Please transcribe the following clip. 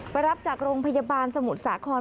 รับจากโรงพยาบาลสมุทรสาคร